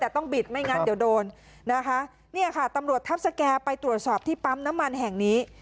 แต่ต้องบิดไม่งั้นเดี๋ยวโดนนะคะเนี่ยค่ะตำรวจทัพสแก่ไปตรวจสอบที่ปั๊มน้ำมันแห่งนี้